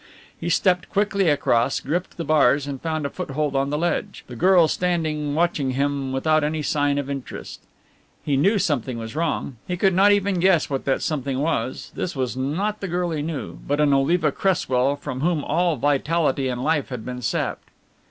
He stepped quickly across, gripped the bars and found a foothold on the ledge, the girl standing watching him without any sign of interest. He knew something was wrong. He could not even guess what that something was. This was not the girl he knew, but an Oliva Cresswell from whom all vitality and life had been sapped.